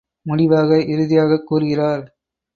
முடிவாக இறுதியாகக் கூறுகிறார்.